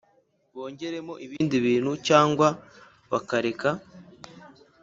Bongeramo ibindi bintu cyangwa bakareka